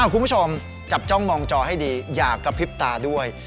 คุณผู้ชมจับจ้องมองจอให้ดีอย่ากระพริบตาด้วย